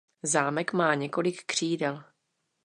Zámek má několik křídel.